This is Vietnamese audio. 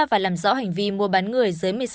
và làm rõ hành vi mua bán người dưới